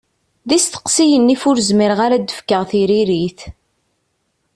D isteqsiyen i ɣef ur zmireɣ ara ad d-fkeɣ tiririt.